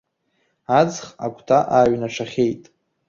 Аҵх агәҭа ааҩнашахьеит.